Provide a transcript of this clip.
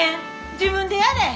自分でやれ！